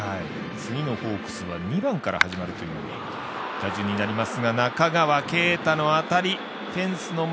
次のホークスは２番から始まるという打順になります。